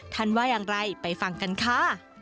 ว่าอย่างไรไปฟังกันค่ะ